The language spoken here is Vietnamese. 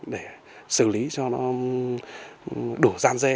để xử lý cho nó đủ gian dê